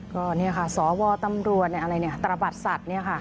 ก็เนี่ยค่ะสวตำรวจอะไรเนี่ยตระบัดสัตว์เนี่ยค่ะ